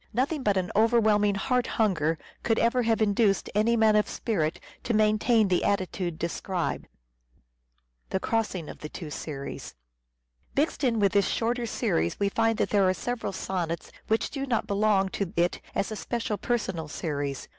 Nothing but an overwhelming heart hunger could ever have induced any man of spirit to maintain the attitude described. Mixed in with this shorter series we find that there The crossing are several sonnets which do not belong to it as a special seriese personal series.